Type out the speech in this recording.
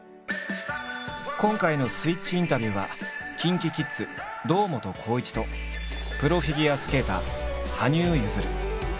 今回の「スイッチインタビュー」はＫｉｎＫｉＫｉｄｓ堂本光一とプロフィギュアスケーター羽生結弦。